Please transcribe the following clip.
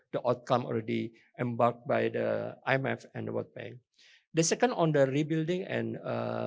dan bagaimana kita berbicara bersama kita mengingatkan keputusan yang sudah diberikan dan bagaimana kita berbicara bersama